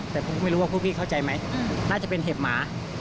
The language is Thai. แต่ผมก็ไม่รู้ว่าพวกพี่เข้าใจไหมน่าจะเป็นเห็บหมา